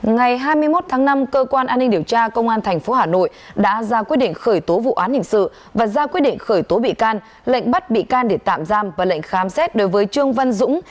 ngày hai mươi một tháng năm cơ quan an ninh điều tra công an tp hà nội đã ra quyết định khởi tố vụ án hình sự và ra quyết định khởi tố bị can lệnh bắt bị can để tạm giam và lệnh khám xét đối với trương văn dũng